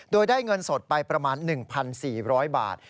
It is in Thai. โดยได้เงินสดไปประมาณ๑๔๐๐บาท